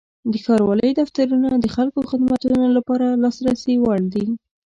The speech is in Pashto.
د ښاروالۍ دفترونه د خلکو خدمتونو لپاره د لاسرسي وړ دي.